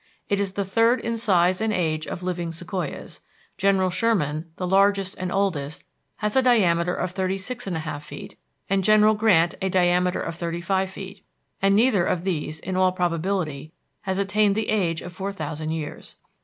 It is the third in size and age of living sequoias; General Sherman, the largest and oldest, has a diameter of thirty six and a half feet, and General Grant a diameter of thirty five feet, and neither of these, in all probability, has attained the age of four thousand years.